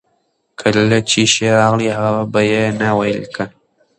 کله چې شعر راغی، هغه به یې نه ولیکه.